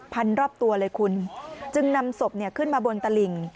พันรอบตัวเลยคุณจึงนำศพเนี่ยขึ้นมาบนตะหลิง